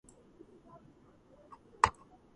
მოსახლეობის ევაკუაცია არ განხორციელებულა.